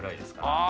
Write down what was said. ああ。